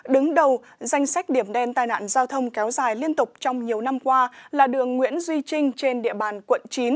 đứng đầu danh sách điểm đen tai nạn giao thông kéo dài liên tục trong nhiều năm qua là đường nguyễn duy trinh trên địa bàn quận chín